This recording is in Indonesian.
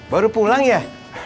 baru pulang ya